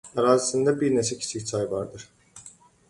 Ərazisində bir necə kiçik çay vardır.